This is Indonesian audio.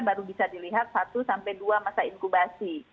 baru bisa dilihat satu sampai dua masa inkubasi